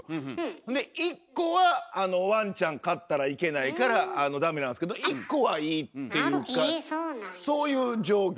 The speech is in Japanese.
んで１コはワンちゃん飼ったらいけないからダメなんですけど１コはいいっていうかそういう状況。